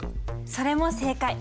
それも正解。